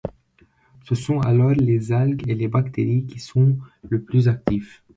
Ce sont alors les algues et les bactéries qui sont le plus actives.